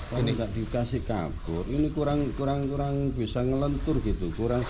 kalau gak dikasih kapur ini kurang kurang bisa ngelentur gitu